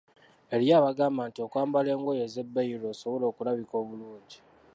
Eriyo abagamba nti okwambala engoye ez‘ebbeeyi lw’osobola okulabika obulungi!